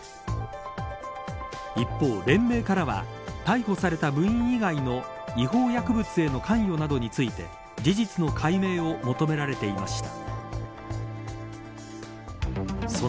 一方、連盟からは逮捕された部員以外の違法薬物への関与などについて事実の解明を求められていました。